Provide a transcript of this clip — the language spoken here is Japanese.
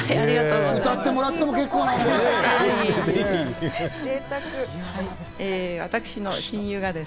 歌ってもらっても結構なので。